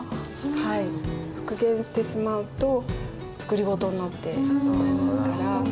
復元してしまうと作り事になってしまいますから。